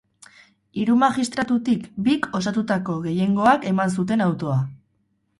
Hiru magistratutik bik osatutako gehiengoak eman zuen autoa.